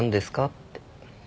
って。